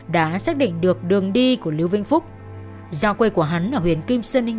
và được tiêu thụ ở địa bàn nam định